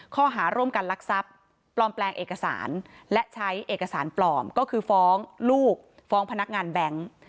ข้อหาร่วมกันลักทรัพย์ปลอมแปลงเอกสารและใช้เอกสารปลอมก็คือฟ้องลูกฟ้องพนักงานแบงค์